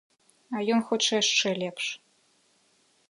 А ён хоча яшчэ лепш.